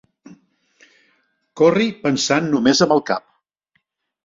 Corri pensant només amb el cap.